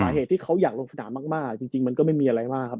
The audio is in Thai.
สาเหตุที่เขาอยากลงสนามมากมากจริงจริงมันก็ไม่มีอะไรมากครับ